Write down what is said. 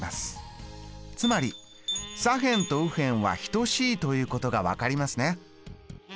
つまり左辺と右辺は等しいということが分かりますね。